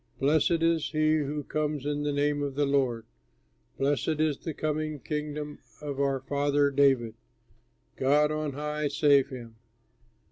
Blessed is he who comes in the name of the Lord! Blessed is the coming Kingdom of our father David! God on high, save him!"